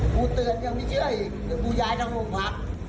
กูเตือนยังไม่เชื่อให้กูย้ายทางโรงพักษณ์